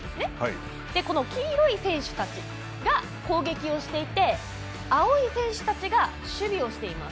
黄色の選手が攻撃をしていて青い選手たちが守備をしています。